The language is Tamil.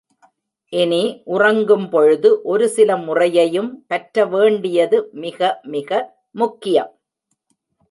இனி, உறங்கும் பொழுது ஒரு சில முறையையும் பற்ற வேண்டியது மிக மிக முக்கியம்.